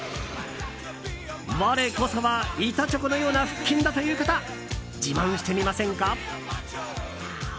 我こそは板チョコのような腹筋だという方、自慢してみませんか。